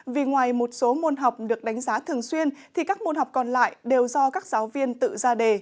vì ngoài một số môn học được đánh giá thường xuyên thì các môn học còn lại đều do các giáo viên tự ra đề